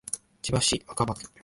千葉市若葉区